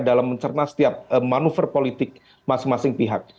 dalam mencerna setiap manuver politik masing masing pihak